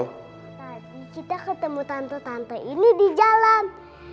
tadi kita ketemu tante tante ini di jalan